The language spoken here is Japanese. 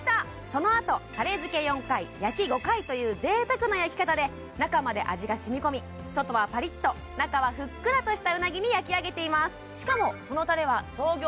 そのあとタレ漬け４回焼き５回という贅沢な焼き方で中まで味がしみこみ外はパリッと中はふっくらとしたうなぎに焼き上げています